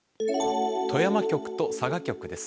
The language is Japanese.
富山局と佐賀局です。